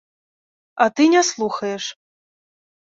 А ты не слухаеш.